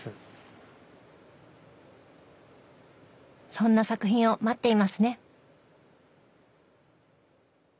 そんな作品を待っていますね！